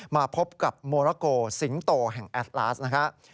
มาพบกับโมราโกสิงโตแห่งแอดลาสนะครับ